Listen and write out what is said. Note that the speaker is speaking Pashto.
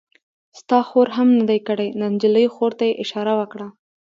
ستا خور هم نه دی کړی؟ د نجلۍ خور ته یې اشاره وکړه.